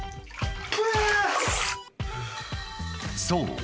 ［そう。